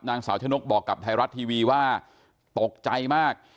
นางสาวชะนกบอกกับไทยรัฐทีวีว่าตกใจมาก